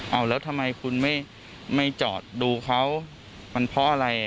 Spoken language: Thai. เอาแล้วทำไมคุณไม่จอดดูเขามันเพราะอะไร